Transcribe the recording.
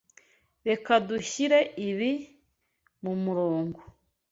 Reka dushyire ibi mumurongo.